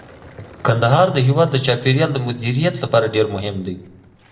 کندهار د هیواد د چاپیریال د مدیریت لپاره ډیر مهم دی.